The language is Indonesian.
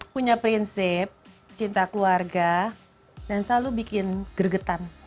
punya prinsip cinta keluarga dan selalu bikin gregetan